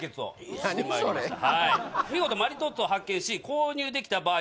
見事マリトッツォを発見し購入できた場合